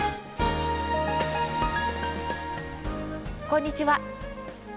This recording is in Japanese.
こんにちは。